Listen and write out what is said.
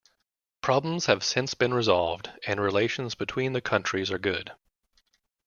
Problems have since been resolved, and relations between the countries are good.